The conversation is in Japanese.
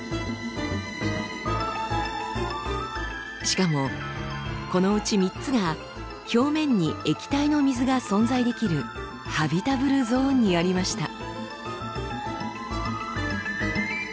しかもこのうち３つが表面に液体の水が存在できるハビタブルゾーンにありました。